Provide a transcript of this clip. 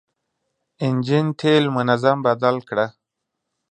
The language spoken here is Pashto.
انجن تېل منظم بدل کړه.